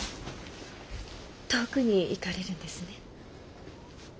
遠くに行かれるんですね。